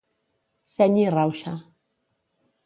Seny i rauxa.